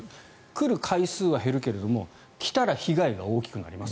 来る回数は増えるけど来たら被害が大きくなります